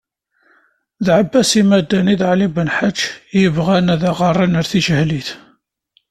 D ɛebbasi Madani d ɛli Benḥaǧ i yebɣan ad aɣ-erren ar tijehlit.